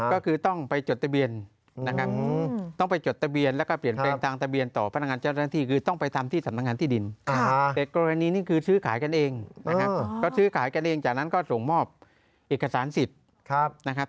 ก็คือต้องไปจดตะเบียนนะครับ